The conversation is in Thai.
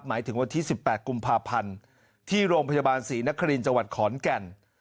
หมายถึงวันที่๑๘กุมภาพันธ์ที่โรงพยาบาลศรีนครินทร์จังหวัดขอนแก่น